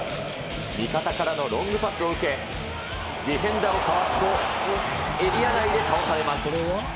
味方からのロングパスを受け、ディフェンダーをかわすと、エリア内で倒されます。